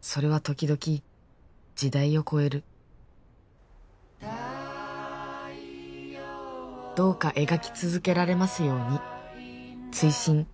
それは時々時代を超えるどうか描き続けられますように追伸